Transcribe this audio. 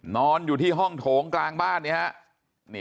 นอนอยู่ที่ห้องโถงกลางบ้าน